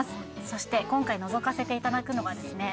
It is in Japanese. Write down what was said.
そして今回のぞかせていただくのがですね